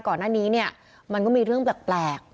ก่อนหน้านี้เนี่ยมันก็มีเรื่องแปลก